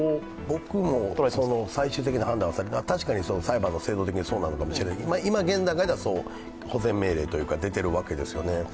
僕も最終的な判断は、確かに裁判の制度的にそうなのかもしれない現段階では保全命令というか、出ているわけですよね。